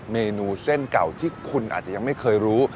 เมนูเส้นเก่าที่คุณอาจจะยังไม่เคยรู้